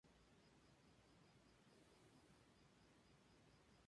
La palabra, un grito: ¡Guerra!